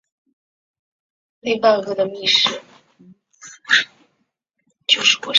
在今天安微省睢溪县与江苏省沛县一带。